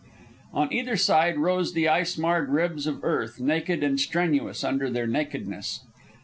On either hand rose the ice marred ribs of earth, naked and strenuous in their nakedness.